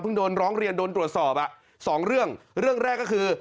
เพิ่งโรงเรียนโดนตรวจสอบอ่ะ๒เรื่องเรื่องแรกก็คือ